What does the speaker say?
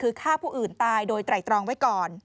คือฆ่าผู้อื่นตายโดยไตรตรองไว้ก่อน